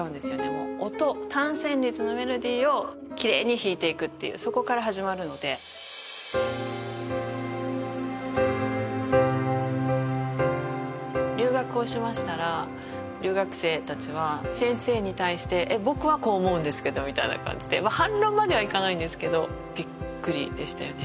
もう音単旋律のメロディーを綺麗に弾いていくっていうそこから始まるので留学をしましたら留学生達は先生に対してえっ僕はこう思うんですけどみたいな感じで反論まではいかないんですけどびっくりでしたよね